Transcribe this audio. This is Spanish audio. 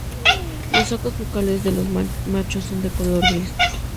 Los sacos bucales de los machos son de color gris.